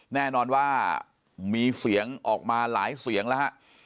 แน่นอนว่ามีเสียงออกมาหลายเสียงแล้วฮะ